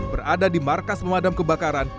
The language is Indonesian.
berada di markas pemadam kebakaran